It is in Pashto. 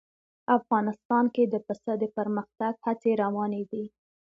افغانستان کې د پسه د پرمختګ هڅې روانې دي.